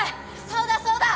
そうだそうだ！